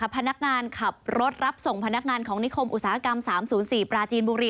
พนักงานขับรถรับส่งพนักงานของนิคมอุตสาหกรรม๓๐๔ปราจีนบุรี